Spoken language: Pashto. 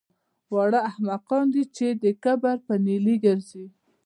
واړه احمقان دي چې د کبر په نیلي ګرځي